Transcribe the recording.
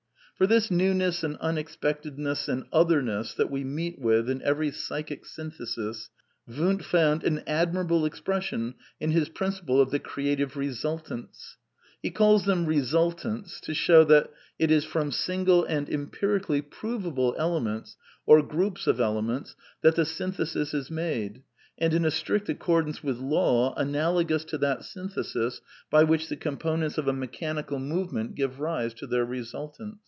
86 A DEFENCE OF IDEALISM For this newness and unexpectedness and otherness that we meet with in every psychic synthesis, Wundt found an y admirable expression in his principle of the " creative re;^ sultants/' He calls them ^^ resultants " to show that ^' it is from single and empirically provable elements, or groups of elements, that the synthesis is made, and in a strict accord ance with law analogous to that synthesis by which the com ponents of a mechanical movement give rise to their resultants."